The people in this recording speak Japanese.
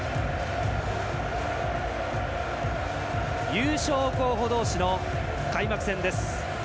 優勝候補同士の開幕戦です。